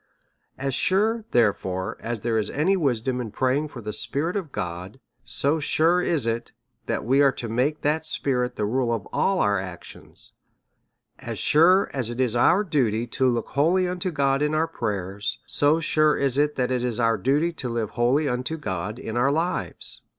As sure, therefore, as there is any wisdom in pray ing for the Spirit o f God, so sure is it that we are to make that Spirit the rule of all our actions ; as sure as it is our duty to look wholly unto God in our prayers, so sure is it that it is our duty to live wholly unto God in our lives.